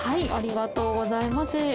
ありがとうございます。